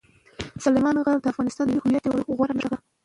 سلیمان غر د افغانستان د ملي هویت یوه غوره نښه ده.